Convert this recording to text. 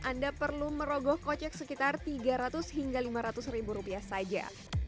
anda perlu merogoh kocek sekitar rp tiga ratus lima ratus ribu saja